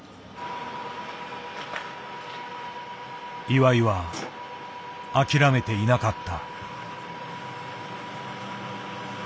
岩井は諦めていなかった。